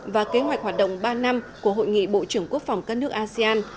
và kế hoạch hoạt động ba năm của hội nghị bộ trưởng quốc phòng các nước asean